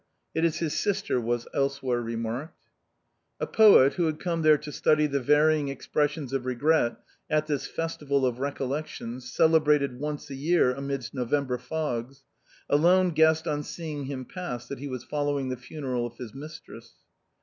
" It is his sister," was elsewhere remarked. A poet who had come there to study the varying ex pressions of regret at this festival of recollections cele brated once a year amidst November fogs, alone guessed on seeing him pass that he was following the funeral of his mistress.